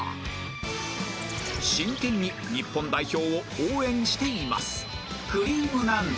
真剣に日本代表を応援しています